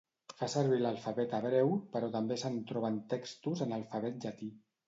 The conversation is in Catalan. Fa servir l'alfabet hebreu, però també se'n troben textos en alfabet llatí.